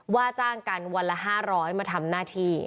ว่าจ้างกันวันละ๕๐๐มาทำหน้าที่